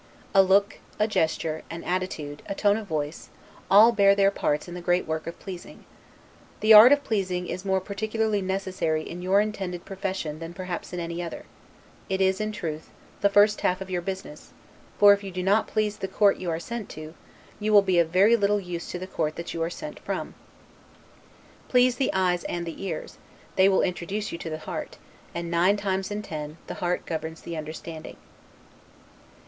A look, a gesture, an attitude, a tone of voice, all bear their parts in the great work of pleasing. The art of pleasing is more particularly necessary in your intended profession than perhaps in any other; it is, in truth, the first half of your business; for if you do not please the court you are sent to, you will be of very little use to the court you are sent from. Please the eyes and the ears, they will introduce you to the heart; and nine times in ten, the heart governs the understanding.